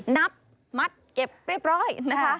นับมัดเก็บเรียบร้อยนะคะ